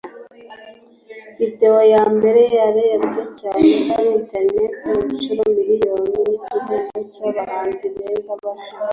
video ya mbere yarebwe cyane kuri internet (inshuro miliyoni n’igihembo cy’abahanzi beza bashya)